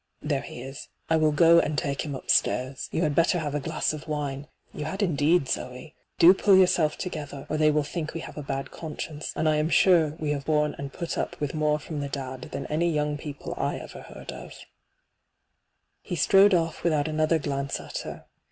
There he is. I will go and take him upstairs. You had better have a glass of wine — ^you had indeed, Zoe ! Do pull yourself together, or they will think we have a bad conscience, and I am sure we have borne and put up with more from the dad than any young people I ever heard o£' He strode off without another glance at her.